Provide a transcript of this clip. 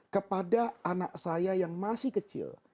kepada anak saya yang masih kecil